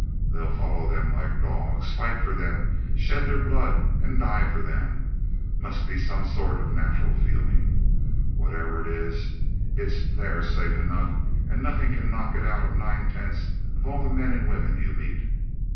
They'll follow them like dogs, fight for them, shed their blood, and die for them; must be some sort of a natural feeling. Whatever it is, it's there safe enough, and nothing can knock it out of nine tenths of all the men and women you meet.